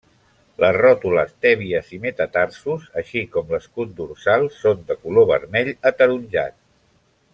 Les ròtules, tèbies i metatarsos, així com l'escut dorsal són de color vermell ataronjat.